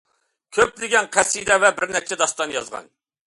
كۆپلىگەن قەسىدە ۋە بىر نەچچە داستان يازغان.